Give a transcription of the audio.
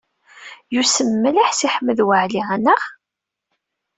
Yussem mliḥ Si Ḥmed Waɛli, anaɣ?